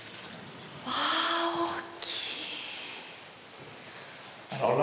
わあ大きい！